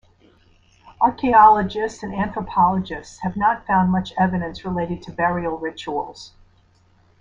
Archeologists and anthropologists have not found much evidence related to burial rituals.